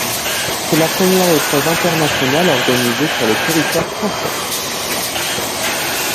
C'est la première épreuve internationale organisée sur le territoire français.